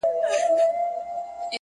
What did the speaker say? ما درته ویل چي په اغیار اعتبار مه کوه-